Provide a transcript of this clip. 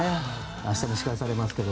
明日も司会されますけど。